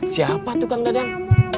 siapa tuh kang dadang